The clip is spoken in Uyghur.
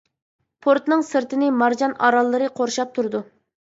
پورتنىڭ سىرتىنى مارجان ئاراللىرى قورشاپ تۇرىدۇ.